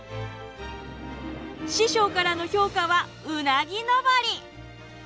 師匠からの評価はうなぎ登り！